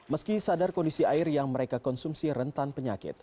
meski sadar kondisi air yang mereka konsumsi rentan penyakit